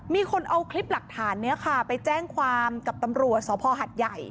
มีคนเอาคลิปหลักฐานนี้ค่ะไปแจ้งความกับตำรวจสภหัดใหญ่